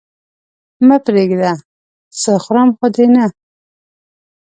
مه پرېږده! څه خورم خو دې نه؟